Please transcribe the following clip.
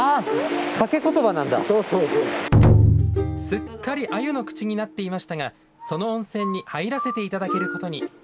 すっかりアユの口になっていましたがその温泉に入らせていただけることに。